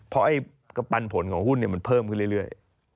เพราะปันผลของหุ้นมันเพิ่มขึ้นเรื่อย